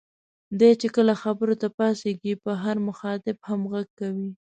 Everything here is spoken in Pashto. دی چې کله خبرو ته پاڅېږي په هر مخاطب هم غږ کوي.